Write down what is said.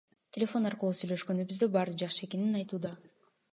Телефон аркылуу сүйлөшкөнүбүздө баары жакшы экенин айтууда.